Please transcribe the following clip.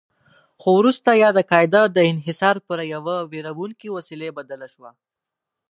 خو وروسته یاده قاعده د انحصار پر یوه ویروونکې وسیله بدله شوه.